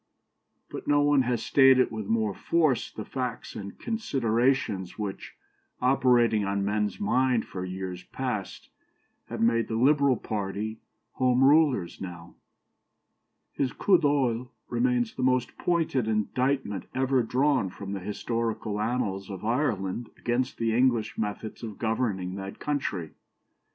But no one has stated with more force the facts and considerations which, operating on men's mind for years past, have made the Liberal party Home Rulers now. His coup d'oeil remains the most pointed indictment ever drawn from the historical annals of Ireland against the English methods of governing that country.